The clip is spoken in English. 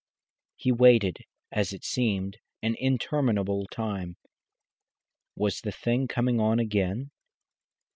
He waited, as it seemed, an interminable time. Was the thing coming on again?